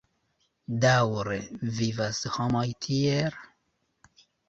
Daŭre vivas homoj tiel?